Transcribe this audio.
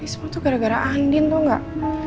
ini semua tuh gara gara andin tau gak